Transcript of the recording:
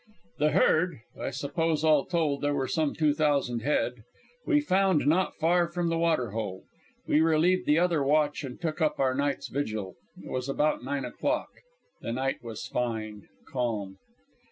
The herd I suppose all told there were some two thousand head we found not far from the water hole. We relieved the other watch and took up our night's vigil. It was about nine o'clock. The night was fine, calm.